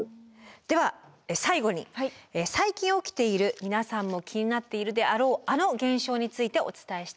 では最後に最近起きている皆さんも気になっているであろうあの現象についてお伝えしたいと思います。